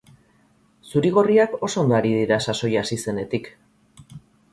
Zuri-gorriak oso ondo ari dira sasoia hasi zenetik.